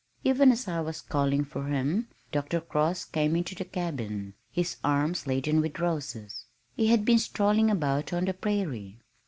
Even as I was calling for him, Dr. Cross came into the cabin, his arms laden with roses. He had been strolling about on the prairie.